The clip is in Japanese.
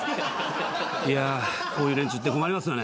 いやこういう連中って困りますよね。